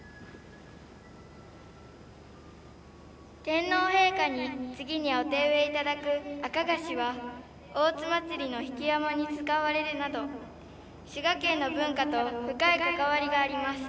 天皇陛下に次にお手植えいただくアカガシは大津祭の曳山に使われるなど滋賀県の文化と深い関わりがあります。